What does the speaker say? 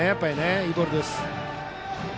いいボールです。